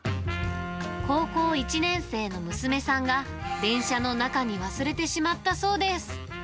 高校１年生の娘さんが、電車の中に忘れてしまったそうです。